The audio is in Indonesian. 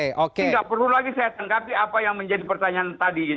ini tidak perlu lagi saya tangkapi apa yang menjadi pertanyaan tadi